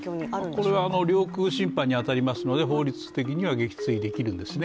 これは領空侵犯に当たりますので法律的には撃墜できるんですね。